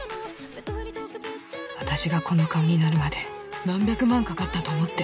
私がこの顔になるまで何百万かかったと思ってんの？